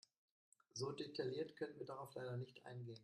So detailliert können wir darauf leider nicht eingehen.